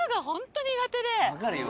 分かるよ。